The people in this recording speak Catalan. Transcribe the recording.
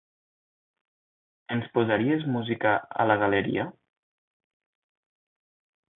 Ens posaries música a la galeria?